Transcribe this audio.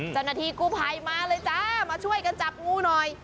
เจ้าหน้าที่กู้ภัยมาเลยจ้ามาช่วยกันจับงูหน่อย